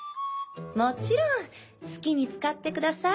もちろん好きに使ってください。